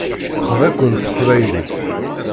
Texḍa-ken teqbaylit.